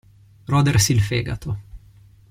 Rodersi il fegato.